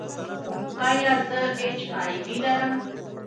ایا زه ایچ آی وي لرم؟